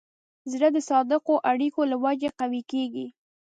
زړه د صادقو اړیکو له وجې قوي کېږي.